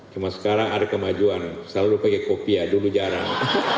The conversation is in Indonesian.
cuma sekarang ada kemajuan selalu pakai kopiah dulu jarang